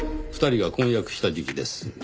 ２人が婚約した時期です。